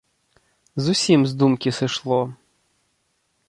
Зусім з думкі сышло.